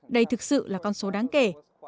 đây thực sự là con số đáng kể